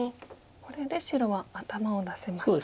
これで白は頭を出せました。